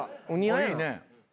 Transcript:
いいね。